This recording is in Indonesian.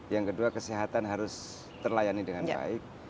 yang kedua kesehatan harus terlayani dengan baik